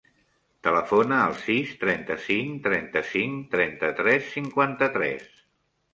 Telefona al sis, trenta-cinc, trenta-cinc, trenta-tres, cinquanta-tres.